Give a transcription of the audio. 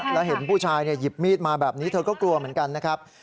แล้วเห็นผู้ชายหยิบมีดมาแบบนี้เธอก็กลัวเหมือนกันนะครับ